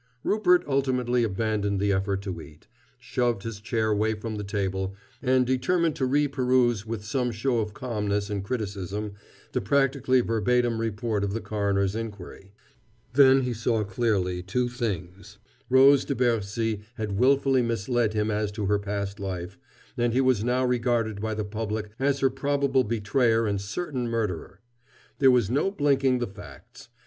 Rupert ultimately abandoned the effort to eat, shoved his chair away from the table, and determined to reperuse with some show of calmness and criticism, the practically verbatim report of the coroner's inquiry. Then he saw clearly two things Rose de Bercy had willfully misled him as to her past life, and he was now regarded by the public as her probable betrayer and certain murderer. There was no blinking the facts.